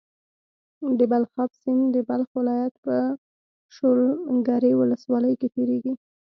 د بلخاب سيند د بلخ ولايت په شولګرې ولسوالۍ کې تيريږي.